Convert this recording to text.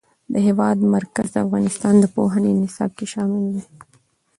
د هېواد مرکز د افغانستان د پوهنې نصاب کې شامل دي.